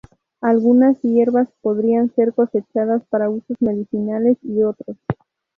Algunas hierbas podían ser cosechadas para usos medicinales y otros.